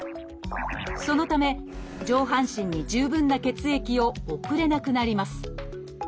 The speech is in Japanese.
そのため上半身に十分な血液を送れなくなります。